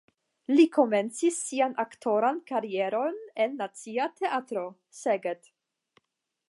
Li komencis sian aktoran karieron en Nacia Teatro (Szeged).